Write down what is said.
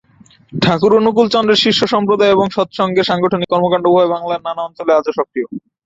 ঠাকুর অনুকূলচন্দ্রের শিষ্যসম্প্রদায় এবং সৎসঙ্গের সাংগঠনিক কর্মকান্ড উভয় বাংলার নানা অঞ্চলে আজও সক্রিয়।